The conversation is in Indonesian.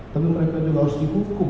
tapi mereka juga harus dihukum